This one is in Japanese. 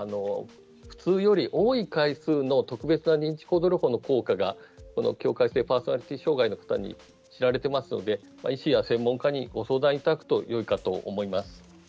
普通より多い回数の特別な認知行動療法の効果がこの境界性パーソナリティー障害の方に知られてますので医師や専門家にご相談いただくとよいかと思います。